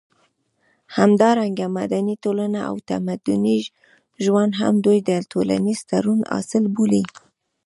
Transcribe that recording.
همدارنګه مدني ټولنه او تمدني ژوند هم دوی د ټولنيز تړون حاصل بولي